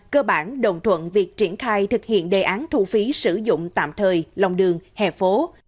cơ bản đồng thuận việc triển khai thực hiện đề án thu phí sử dụng tạm thời lòng đường hè phố